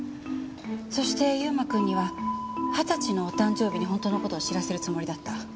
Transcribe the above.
そして優馬くんには二十歳のお誕生日に本当の事を知らせるつもりだった。